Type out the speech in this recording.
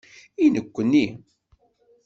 I nekkni?